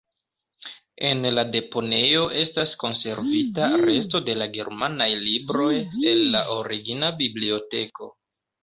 En la deponejo estas konservita resto de la germanaj libroj el la origina biblioteko.